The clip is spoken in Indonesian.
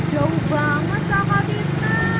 jauh banget pak patisah